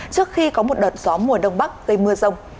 trước khi có một đợt gió mùa đông bắc gây mưa rông